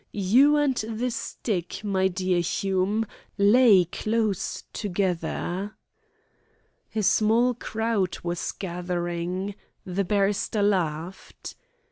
You and the stick, my dear Hume, lay close together." A small crowd was gathering. The barrister laughed.